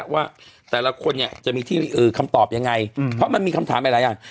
ว่าแต่ละคนจะมีที่อื่นคำตอบยังไงเพราะมันมีคำถามหลายอัน